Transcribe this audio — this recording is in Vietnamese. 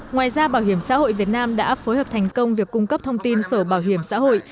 ngoài ra bảo hiểm xã hội việt nam đã phối hợp thành công việc cung cấp thông tin sổ bảo hiểm xã hội